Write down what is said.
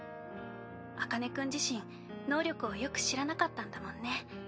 茜君自身能力をよく知らなかったんだもんね。